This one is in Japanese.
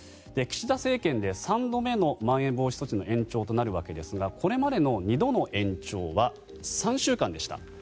岸田政権で３度目のまん延防止措置の延長となるわけですがこれまでの２度の延長は３週間でした。